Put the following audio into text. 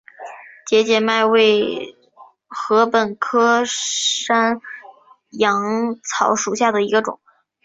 节节麦为禾本科山羊草属下的一个种。